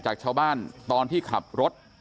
จากชาวบ้านตอนที่ขับรถ